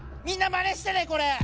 みんなまねしてねこれ！